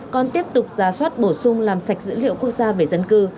còn tiếp tục ra soát bổ sung làm sạch dữ liệu quốc gia về dân cư